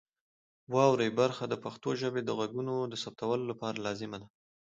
واورئ برخه د پښتو ژبې د غږونو د ثبتولو لپاره لازمه ده.